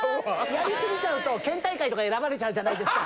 やりすぎちゃうと県大会とか選ばれちゃうじゃないですか。